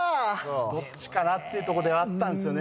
どっちかなってところではあったんですよね